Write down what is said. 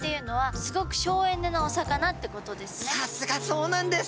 さすがそうなんです！